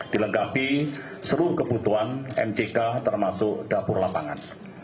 dilengkapi seluruh kebutuhan mck termasuk dapur lapangan